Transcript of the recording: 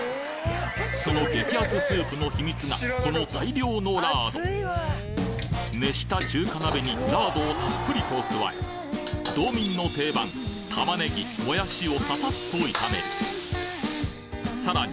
その激アツスープの秘密がこの大量の熱した中華鍋にラードをたっぷりと加え道民の定番玉ねぎもやしをササッと炒めるさらに